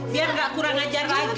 biar nggak kurang ajar lagi